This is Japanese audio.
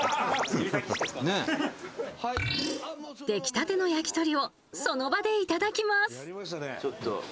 出来たての焼き鳥をその場でいただきます。